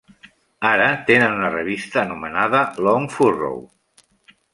Ara tenen una revista anomenada "Long Furrow".